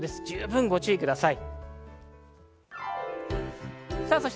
十分ご注意ください。